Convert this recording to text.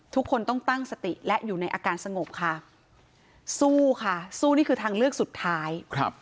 ทุกคนต้องตั้งสติและอยู่ในอาการสงบค่ะสู้ค่ะสู้นี่คือทางเลือกสุดท้ายครับ